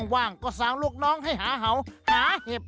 ว่างก็สั่งลูกน้องให้หาเห่าหาเห็บ